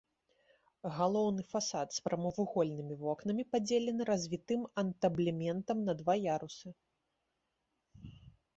Галоўны фасад з прамавугольнымі вокнамі падзелены развітым антаблементам на два ярусы.